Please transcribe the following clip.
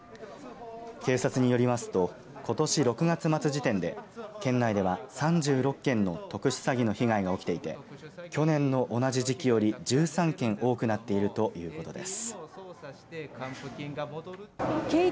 警察によりますとことし６月末時点で県内では３６件の特殊詐欺の被害が起きていて去年の同じ時期より１３件多くなっているということです。